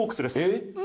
えっ？